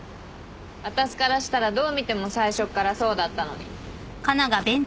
私からしたらどう見ても最初っからそうだったのに。